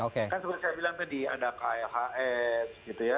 kan seperti saya bilang tadi ada klhs